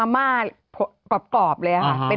มะม่ากรอบเลยฮะ